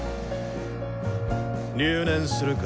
留年するか？